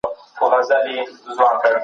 ډیپلوماسي باید د سولي او ثبات لاره وي.